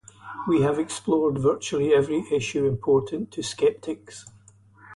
We have explored virtually every issue important to skeptics.